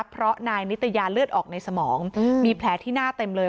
เพราะนายนิตยาเลือดออกในสมองมีแผลที่หน้าเต็มเลย